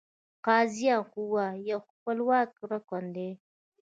قضائیه قوه یو خپلواکه رکن دی.